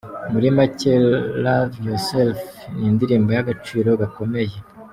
Muri make ’Love Yourself’ ni indirimbo y’agaciro gakomeye.